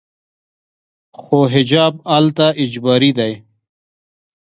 خو حجاب هلته اجباري دی.